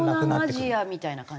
東南アジアみたいな感じ？